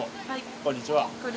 こんにちは。